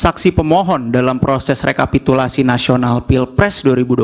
saksi pemohon dalam proses rekapitulasi nasional pilpres dua ribu dua puluh